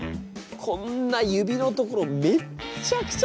こんな指のところめっちゃくちゃ